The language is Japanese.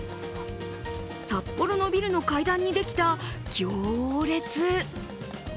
札幌のビルの階段にできた行列。